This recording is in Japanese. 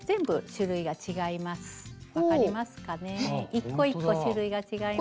一個一個種類が違います。